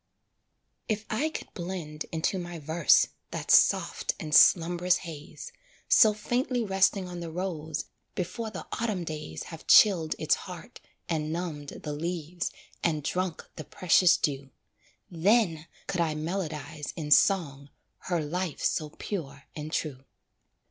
If I could blend into my verse That soft and slumb'rous haze, So faintly resting on the rose Before the autumn days Have chilled its heart, and numbed the leaves, And drunk the precious dew, Then could I melodize in song, Her life so pure and true.